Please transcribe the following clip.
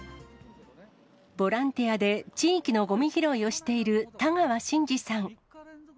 ボランティアで地域のごみ拾いをしている田川進次さん。